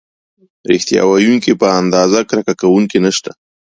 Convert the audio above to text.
د ریښتیا ویونکي په اندازه کرکه کوونکي نشته.